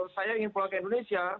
saya ingin pulang ke indonesia